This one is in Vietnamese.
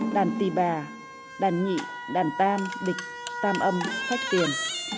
đàn tì bà đàn nhị đàn tam địch tam âm thanh tiền